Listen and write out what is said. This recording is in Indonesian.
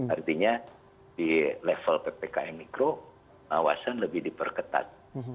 artinya di level ppkm mikro pengawasan lebih diperketat